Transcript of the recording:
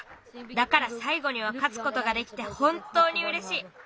だからさいごにはかつことができてほんとうにうれしい。